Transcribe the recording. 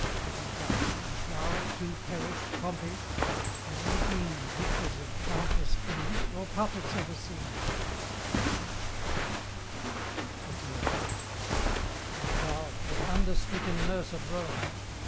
did he die, And thou, too, perish, Pompey? have ye been Victors of countless kings, or puppets of a scene? LXXXVIII. And thou, the thunder stricken nurse of Rome!